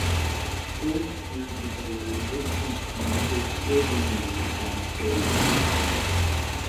Forty years later, this instrument is still being used on stage.